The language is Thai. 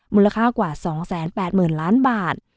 มูลค่ากว่า๒๘๐๐๐ล้านบาท